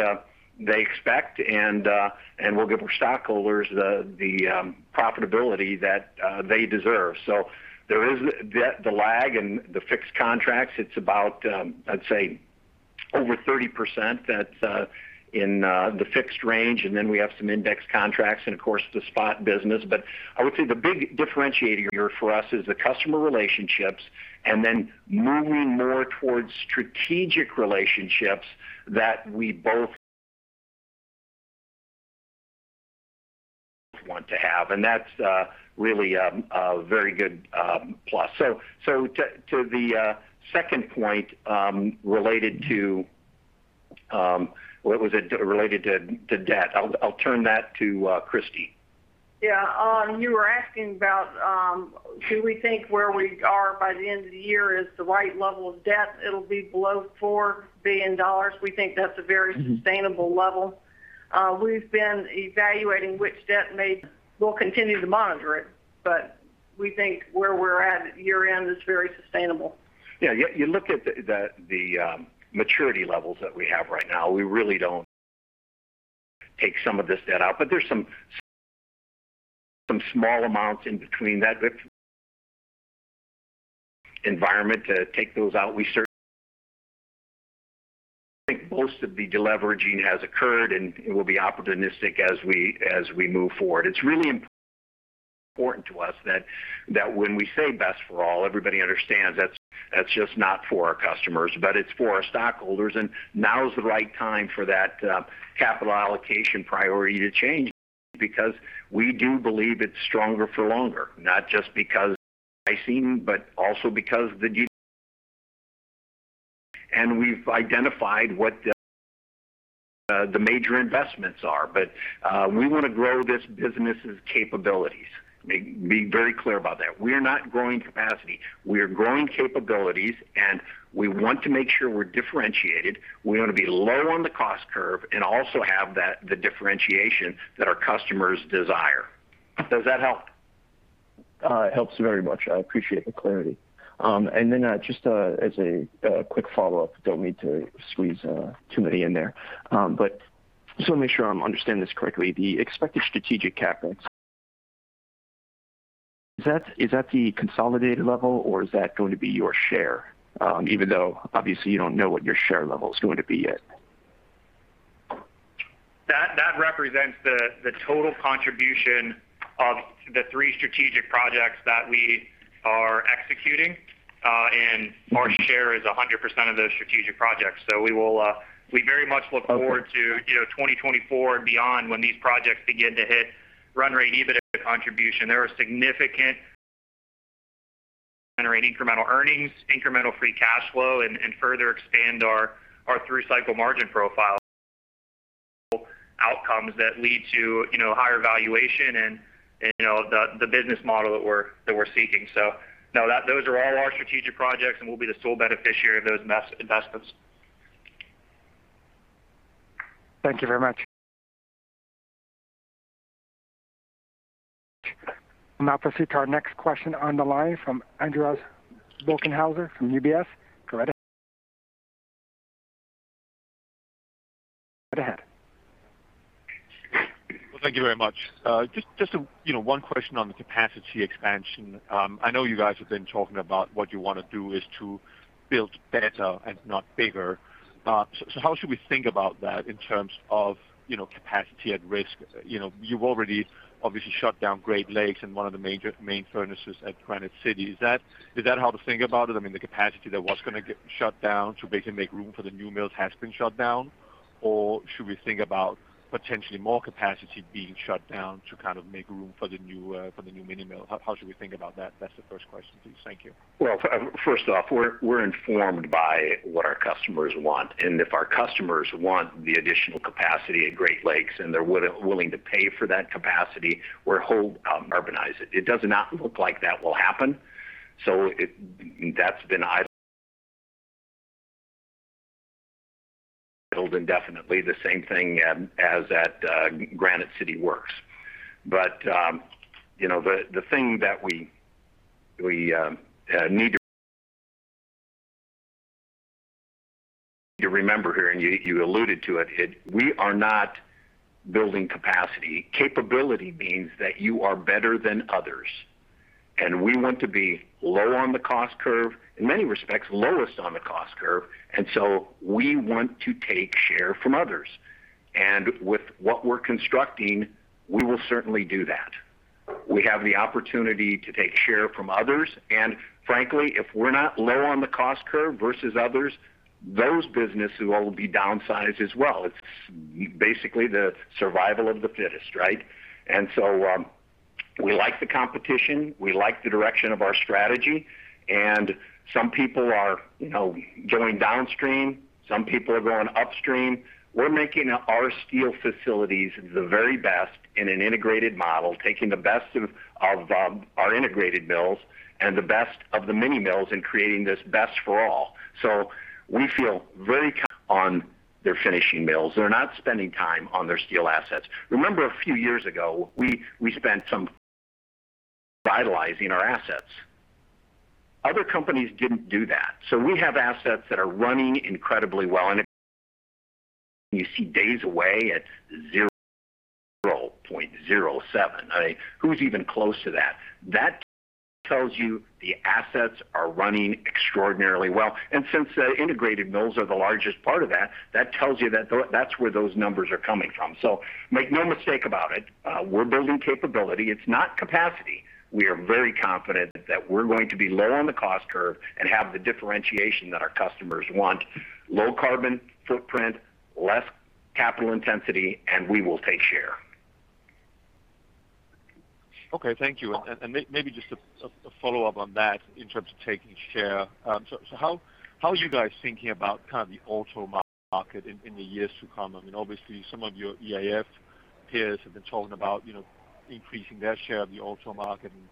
Speaker 3: expect. We'll give our stockholders the profitability that they deserve. There is the lag and the fixed contracts. It's about I'd say over 30% that in the fixed range. Then we have some index contracts and of course the spot business. I would say the big differentiator here for us is the customer relationships and then moving more towards strategic relationships that we both want to have. That's really a very good plus. So to the second point related to what was it? Related to debt. I'll turn that to Christy.
Speaker 4: Yeah. You were asking about, do we think where we are by the end of the year is the right level of debt? It'll be below $4 billion. We think that's a very sustainable level. We've been evaluating. We'll continue to monitor it, but we think where we're at year-end is very sustainable.
Speaker 3: Yeah. You look at the maturity levels that we have right now. We really don't take some of this debt out, but there's some small amounts in between that environment to take those out. We certainly think most of the deleveraging has occurred, and it will be opportunistic as we move forward. It's really important to us that when we say Best for All, everybody understands that's just not for our customers, but it's for our stockholders. Now is the right time for that capital allocation priority to change because we do believe it's stronger for longer, not just because pricing, but also because the. We've identified what the major investments are. We want to grow this business's capabilities. Be very clear about that. We are not growing capacity. We are growing capabilities, and we want to make sure we're differentiated. We want to be low on the cost curve and also have that, the differentiation that our customers desire. Does that help?
Speaker 8: It helps very much. I appreciate the clarity. Just as a quick follow-up. Don't mean to squeeze too many in there. Just want to make sure I'm understanding this correctly. The expected strategic capital, is that the consolidated level or is that going to be your share? Even though obviously you don't know what your share level is going to be yet.
Speaker 2: That represents the total contribution of the three strategic projects that we are executing. Our share is 100% of those strategic projects. We very much look forward to, you know, 2024 and beyond when these projects begin to hit run rate EBITDA contribution. They are significant. They generate incremental earnings, incremental free cash flow, and further expand our through cycle margin profile outcomes that lead to, you know, higher valuation and, you know, the business model that we're seeking. No, those are all our strategic projects, and we'll be the sole beneficiary of those investments.
Speaker 8: Thank you very much.
Speaker 1: I'll now proceed to our next question on the line from Andreas Bokkenheuser from UBS. Go right ahead.
Speaker 9: Well, thank you very much. Just, you know, one question on the capacity expansion. I know you guys have been talking about what you want to do is to build better and not bigger. How should we think about that in terms of, you know, capacity at risk? You know, you've already obviously shut down Great Lakes and one of the major furnaces at Granite City. Is that how to think about it? I mean, the capacity that was gonna get shut down to basically make room for the new mills has been shut down, or should we think about potentially more capacity being shut down to kind of make room for the new, for the new mini mill? How should we think about that? That's the first question to you. Thank you.
Speaker 3: Well, first off, we're informed by what our customers want. If our customers want the additional capacity at Great Lakes and they're willing to pay for that capacity, we're wholly utilizing it. It does not look like that will happen. That's been idle indefinitely, the same thing as at Granite City Works. You know, the thing that we need to remember here, and you alluded to it, we are not building capacity. Capability means that you are better than others. We want to be low on the cost curve, in many respects, lowest on the cost curve. We want to take share from others. With what we're constructing, we will certainly do that. We have the opportunity to take share from others. Frankly, if we're not low on the cost curve versus others, those businesses will be downsized as well. It's basically the survival of the fittest, right? We like the competition, we like the direction of our strategy. Some people are, you know, going downstream, some people are going upstream. We're making our steel facilities the very best in an integrated model, taking the best of our integrated mills and the best of the mini mills and creating this Best for All. We feel very on their finishing mills. They're not spending time on their steel assets. Remember a few years ago, we spent some revitalizing our assets. Other companies didn't do that. We have assets that are running incredibly well. If you see days away at 0.07, I mean, who's even close to that? That tells you the assets are running extraordinarily well. Since the integrated mills are the largest part of that tells you that that's where those numbers are coming from. Make no mistake about it, we're building capability. It's not capacity. We are very confident that we're going to be low on the cost curve and have the differentiation that our customers want. Low carbon footprint, less capital intensity, and we will take share.
Speaker 9: Okay, thank you. Maybe just a follow-up on that in terms of taking share. How are you guys thinking about kind of the auto market in the years to come? I mean, obviously some of your EAF peers have been talking about, you know, increasing their share of the auto market, and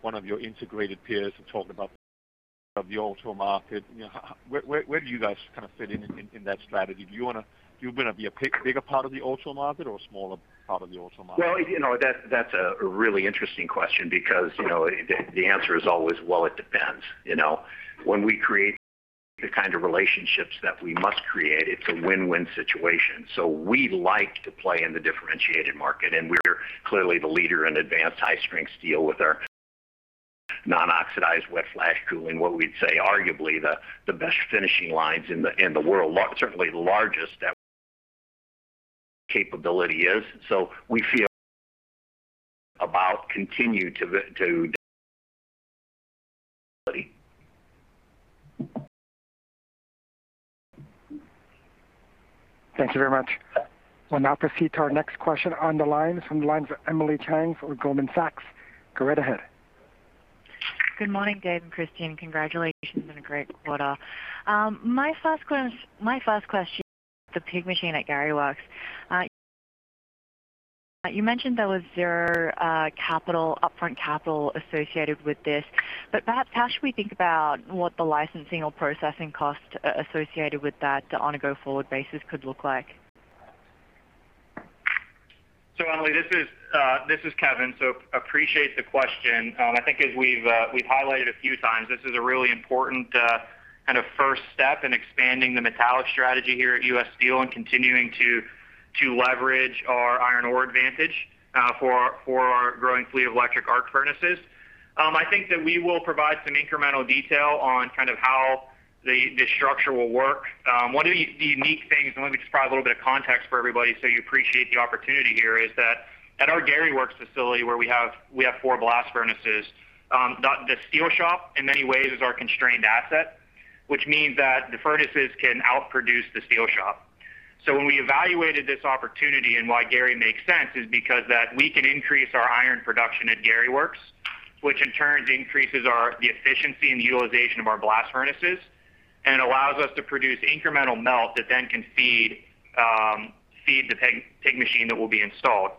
Speaker 9: one of your integrated peers have talked about of the auto market. You know, where do you guys kind of fit in that strategy? Do you wanna be a bigger part of the auto market or a smaller part of the auto market?
Speaker 3: Well, you know, that's a really interesting question because, you know, the answer is always, well, it depends, you know. When we create the kind of relationships that we must create, it's a win-win situation. So we like to play in the differentiated market, and we're clearly the leader in advanced high-strength steel with our non-oxidizing wet flash cooling. What we'd say arguably the best finishing lines in the world, certainly the largest that capability is. So we feel about continue to.
Speaker 1: Thank you very much. We'll now proceed to our next question from the line of Emily Chieng for Goldman Sachs. Go right ahead.
Speaker 10: Good morning, Dave and Christine. Congratulations on a great quarter. My first question, the pig machine at Gary Works. You mentioned there was zero upfront capital associated with this. Perhaps how should we think about what the licensing or processing cost associated with that on a go-forward basis could look like?
Speaker 2: Emily, this is Kevin. Appreciate the question. I think as we've highlighted a few times, this is a really important kind of first step in expanding the metallic strategy here at U.S. Steel and continuing to leverage our iron ore advantage for our growing fleet of electric arc furnaces. I think that we will provide some incremental detail on kind of how the structure will work. One of the unique things, and let me just provide a little bit of context for everybody so you appreciate the opportunity here, is that at our Gary Works facility where we have four blast furnaces, the steel shop in many ways is our constrained asset, which means that the furnaces can outproduce the steel shop. When we evaluated this opportunity and why Gary makes sense is because that we can increase our iron production at Gary Works, which in turn increases our efficiency and the utilization of our blast furnaces, and allows us to produce incremental melt that then can feed the pig machine that will be installed.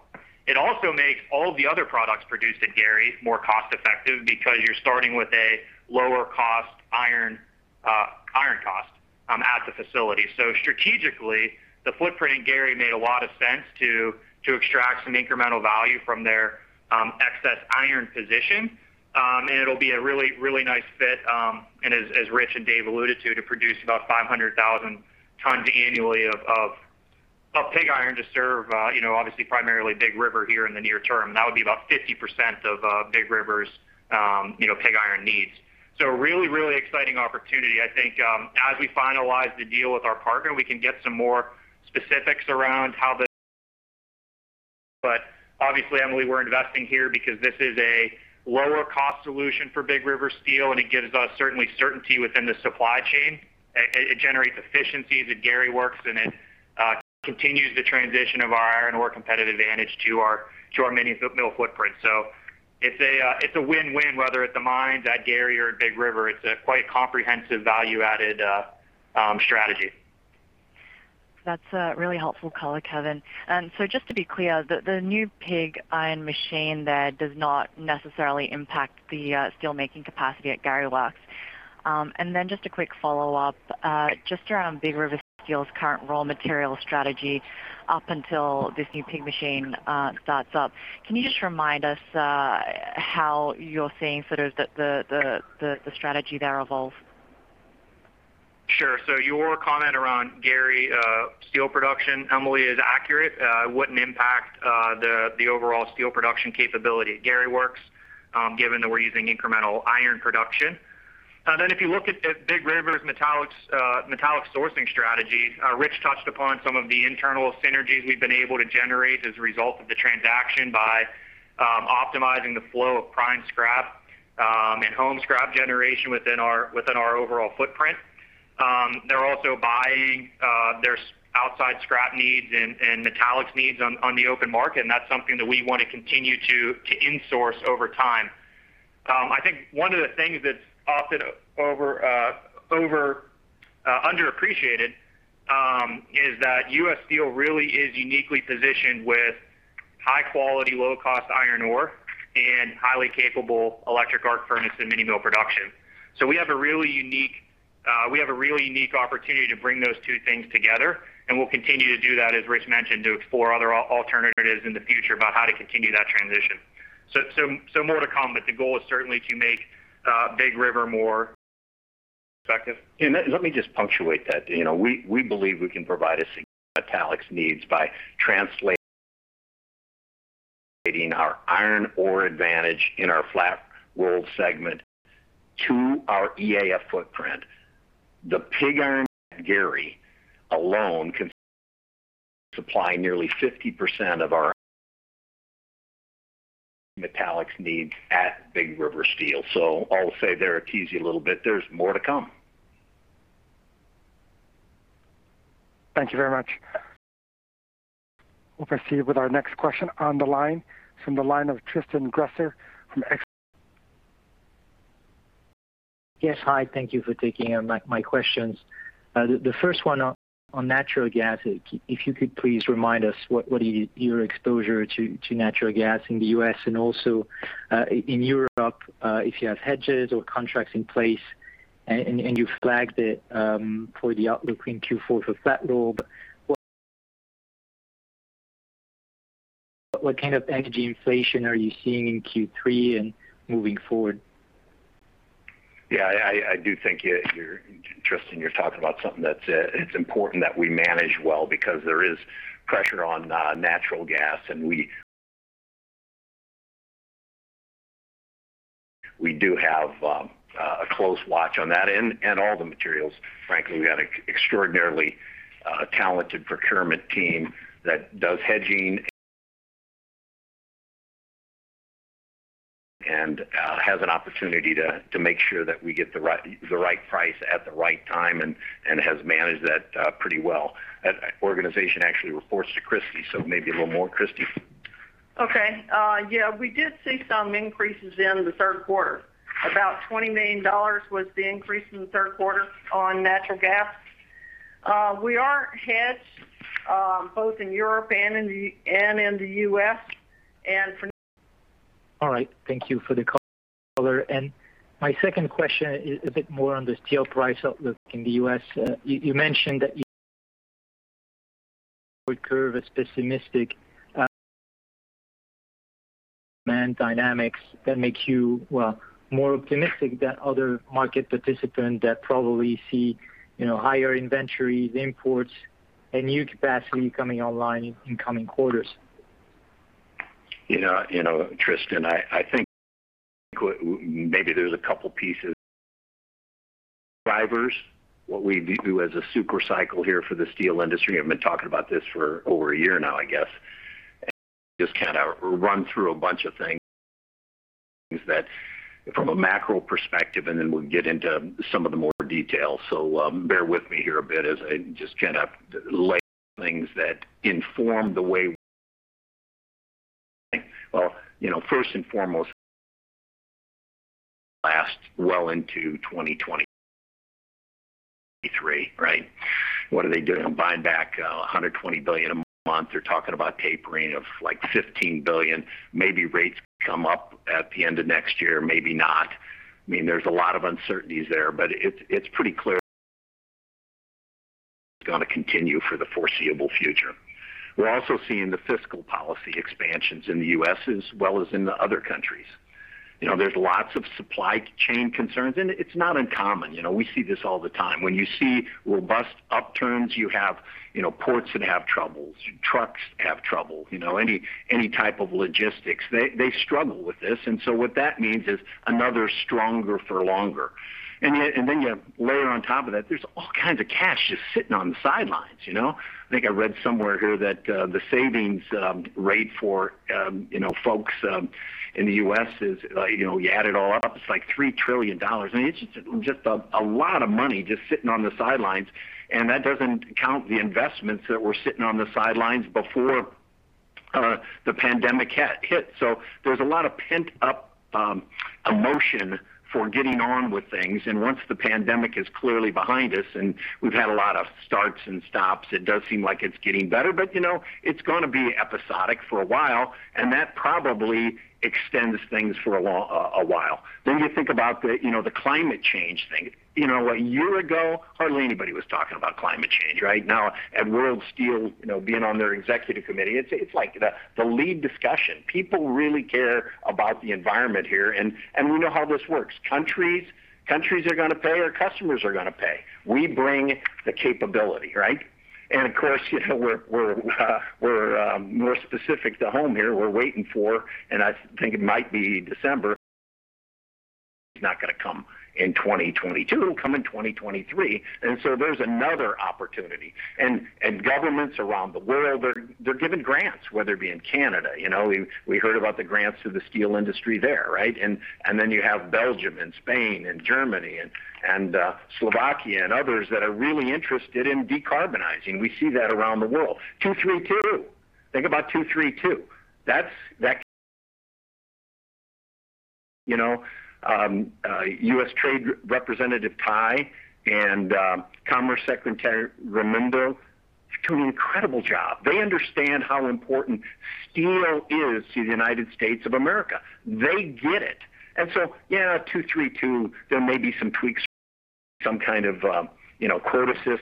Speaker 2: It also makes all the other products produced at Gary more cost-effective because you're starting with a lower cost iron cost at the facility. Strategically, the footprint in Gary made a lot of sense to extract some incremental value from their excess iron position. It'll be a really nice fit, and as Rich and Dave alluded to produce about 500,000 tons annually of pig iron to serve, you know, obviously primarily Big River here in the near term. That would be about 50% of Big River's pig iron needs. Really exciting opportunity. I think as we finalize the deal with our partner, we can get some more specifics around how this. Obviously, Emily, we're investing here because this is a lower cost solution for Big River Steel, and it gives us certainly certainty within the supply chain. It generates efficiencies at Gary Works, and it continues the transition of our iron ore competitive advantage to our mini mill footprint. It's a win-win, whether it's the mines at Gary or at Big River. It's a quite comprehensive value-added strategy.
Speaker 10: That's a really helpful color, Kevin. Just to be clear, the new pig iron machine there does not necessarily impact the steelmaking capacity at Gary Works. Just a quick follow-up just around Big River Steel's current raw material strategy up until this new pig machine starts up. Can you just remind us how you're seeing sort of the strategy there evolve?
Speaker 2: Sure. Your comment around Gary steel production, Emily, is accurate. It wouldn't impact the overall steel production capability at Gary Works, given that we're using incremental iron production. If you look at Big River's metallic sourcing strategy, Rich touched upon some of the internal synergies we've been able to generate as a result of the transaction by optimizing the flow of prime scrap and home scrap generation within our overall footprint. They're also buying their outside scrap needs and metallics needs on the open market, and that's something that we want to continue to insource over time. I think one of the things that's often underappreciated is that U.S. Steel really is uniquely positioned with high quality, low cost iron ore and highly capable electric arc furnace and mini mill production. We have a really unique opportunity to bring those two things together, and we'll continue to do that, as Rich mentioned, to explore other alternatives in the future about how to continue that transition. More to come, but the goal is certainly to make Big River more effective.
Speaker 3: Let me just punctuate that. You know, we believe we can provide a significant metallics needs by translating our iron ore advantage in our Flat-Rolled segment to our EAF footprint. The pig iron at Gary alone can supply nearly 50% of our metallics needs at Big River Steel. I'll say there to tease you a little bit, there's more to come.
Speaker 1: Thank you very much. We'll proceed with our next question on the line of Tristan Gresser from Ex-
Speaker 11: Yes. Hi. Thank you for taking my questions. The first one on natural gas. If you could please remind us what is your exposure to natural gas in the U.S. and also in Europe, if you have hedges or contracts in place. You flagged it for the outlook in Q4 for flat-rolled. What kind of energy inflation are you seeing in Q3 and moving forward?
Speaker 3: Yeah, I do think, Tristan, you're talking about something that's important that we manage well because there is pressure on natural gas. We do have a close watch on that and all the materials. Frankly, we have an extraordinarily talented procurement team that does hedging and has an opportunity to make sure that we get the right price at the right time and has managed that pretty well. That organization actually reports to Christy, so maybe a little more, Christy.
Speaker 4: Okay. Yeah, we did see some increases in the third quarter. About $20 million was the increase in the third quarter on natural gas. We are hedged both in Europe and in the U.S. For-
Speaker 11: All right. Thank you for the color. My second question is a bit more on the steel price outlook in the U.S. You mentioned that you weren't as pessimistic on demand dynamics that make you, well, more optimistic than other market participants that probably see, you know, higher inventories, imports, and new capacity coming online in coming quarters.
Speaker 3: You know, Tristan, I think maybe there's a couple pieces. Drivers, what we view as a super cycle here for the steel industry, I've been talking about this for over a year now, I guess. Just kind of run through a bunch of things that from a macro perspective, and then we'll get into some of the more detail. Bear with me here a bit as I just kind of lay things that inform the way we think. Well, you know, first and foremost, well into 2023, right? What are they doing? Buying back $120 billion a month. They're talking about tapering of, like, $15 billion. Maybe rates come up at the end of next year, maybe not. I mean, there's a lot of uncertainties there, but it's pretty clear it's gonna continue for the foreseeable future. We're also seeing the fiscal policy expansions in the U.S. as well as in the other countries. You know, there's lots of supply chain concerns, and it's not uncommon. You know, we see this all the time. When you see robust upturns, you have, you know, ports that have troubles, trucks have trouble. You know, any type of logistics, they struggle with this. What that means is another stronger for longer. Then you layer on top of that, there's all kinds of cash just sitting on the sidelines, you know? I think I read somewhere here that the savings rate for, you know, folks in the U.S. is, you know, you add it all up, it's like $3 trillion. I mean, it's just a lot of money just sitting on the sidelines. That doesn't count the investments that were sitting on the sidelines before the pandemic hit. There's a lot of pent-up emotion for getting on with things. Once the pandemic is clearly behind us, and we've had a lot of starts and stops, it does seem like it's getting better. You know, it's gonna be episodic for a while, and that probably extends things for a while. You think about you know, the climate change thing. You know, a year ago, hardly anybody was talking about climate change, right? Now at World Steel, you know, being on their executive committee, it's like the lead discussion. People really care about the environment here. We know how this works. Countries are gonna pay, or customers are gonna pay. We bring the capability, right? Of course, you know, we're more specific to home here. We're waiting for, and I think it might be December. It's not gonna come in 2022, come in 2023. So there's another opportunity. Governments around the world, they're giving grants, whether it be in Canada. You know, we heard about the grants to the steel industry there, right? Then you have Belgium and Spain and Germany and Slovakia and others that are really interested in decarbonizing. We see that around the world. 232. Think about 232. That's... You know, U.S. Trade Representative Tai and Commerce Secretary Raimondo do an incredible job. They understand how important steel is to the United States of America. They get it. Yeah, 232, there may be some tweaks, some kind of, you know, quota system.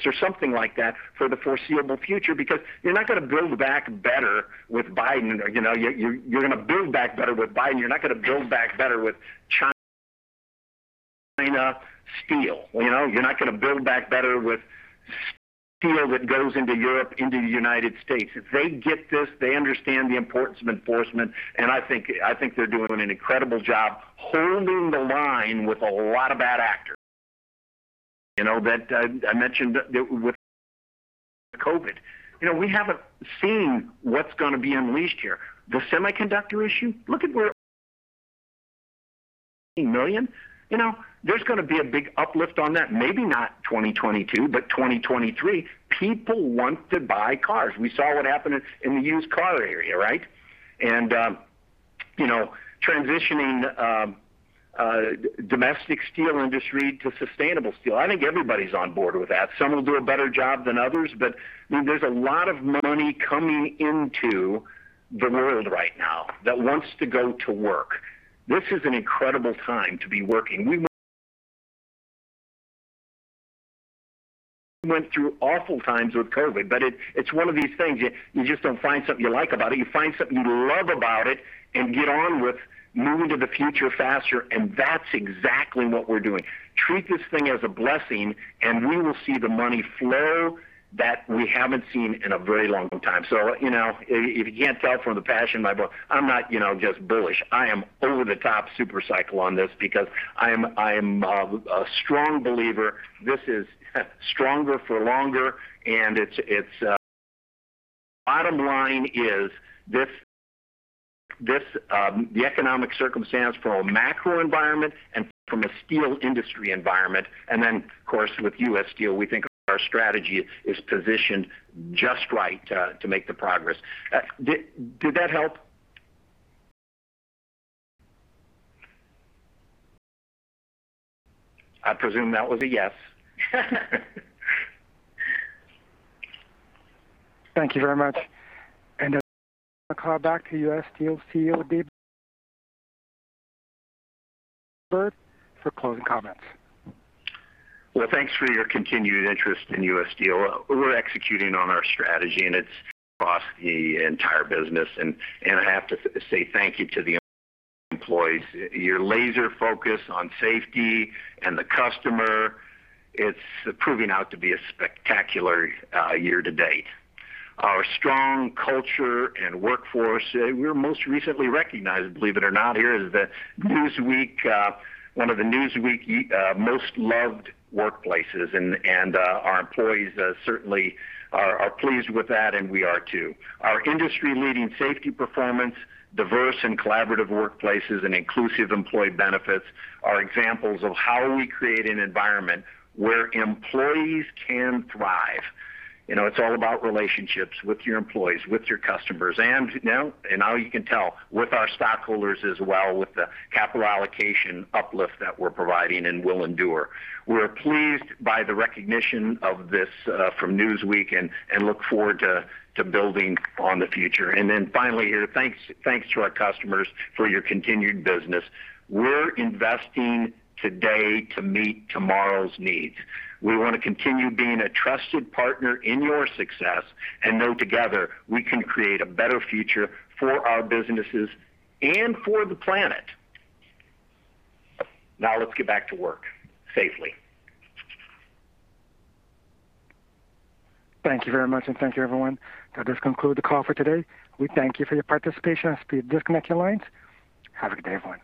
Speaker 3: Tariff or something like that for the foreseeable future because you're not gonna build back better with Biden. You know, you're gonna build back better with Biden. You're not gonna build back better with China steel. You know? You're not gonna build back better with steel that goes into Europe, into the United States. If they get this, they understand the importance of enforcement, and I think they're doing an incredible job holding the line with a lot of bad actors. You know, that I mentioned that with COVID. You know, we haven't seen what's gonna be unleashed here. The semiconductor issue? Look at where million. You know, there's gonna be a big uplift on that, maybe not 2022, but 2023. People want to buy cars. We saw what happened in the used car area, right? You know, transitioning the domestic steel industry to sustainable steel, I think everybody's on board with that. Some will do a better job than others, but I mean, there's a lot of money coming into the world right now that wants to go to work. This is an incredible time to be working. We went through awful times with COVID, but it's one of these things. You just don't find something you like about it. You find something you love about it and get on with moving to the future faster, and that's exactly what we're doing. Treat this thing as a blessing, and we will see the money flow that we haven't seen in a very long time. You know, if you can't tell from the passion in my voice, I'm not just bullish. I am over-the-top super cycle on this because I am a strong believer this is stronger for longer. Bottom line is this, the economic circumstance from a macro environment and from a steel industry environment. Then, of course, with U.S. Steel, we think our strategy is positioned just right to make the progress. Did that help? I presume that was a yes.
Speaker 1: Thank you very much. I'll now turn the call back to U.S. Steel CEO, Dave Burritt, for closing comments.
Speaker 3: Well, thanks for your continued interest in U.S. Steel. We're executing on our strategy, and it's across the entire business. I have to say thank you to the employees. Your laser focus on safety and the customer, it's proving out to be a spectacular year to date. Our strong culture and workforce, we were most recently recognized, believe it or not, here as one of the Newsweek Most Loved Workplaces. Our employees certainly are pleased with that, and we are too. Our industry-leading safety performance, diverse and collaborative workplaces, and inclusive employee benefits are examples of how we create an environment where employees can thrive. You know, it's all about relationships with your employees, with your customers. Now you can tell with our stockholders as well with the capital allocation uplift that we're providing and will endure. We're pleased by the recognition of this from Newsweek and look forward to building on the future. Finally here, thanks to our customers for your continued business. We're investing today to meet tomorrow's needs. We wanna continue being a trusted partner in your success and know together we can create a better future for our businesses and for the planet. Now let's get back to work safely.
Speaker 1: Thank you very much, and thank you everyone. That does conclude the call for today. We thank you for your participation. You may disconnect your lines. Have a good day, everyone.